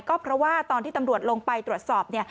ก็เพราะว่าตอนที่ตำรวจลงไปตรวจสอบ